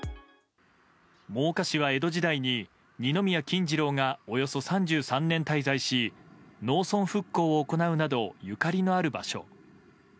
真岡市は、江戸時代に二宮金次郎がおよそ３３年滞在し農村復興を行うなどゆかりのある場所。